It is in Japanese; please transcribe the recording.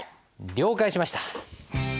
了解しました。